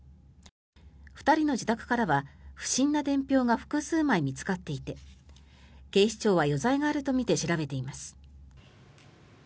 ２人の自宅からは、不審な伝票が複数枚見つかっていて警視庁は余罪があるとみて調べています。